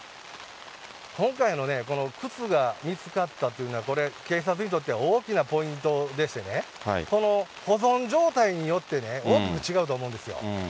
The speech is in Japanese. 今回のね、この靴が見つかったというのは、これ、警察にとっては大きなポイントでしてね、この保存状態によってね、大きく違うと思うんですよ。